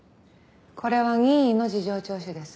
これは任意の事情聴取です。